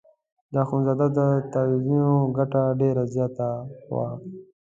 د اخندزاده د تاویزانو ګټه ډېره زیاته وه.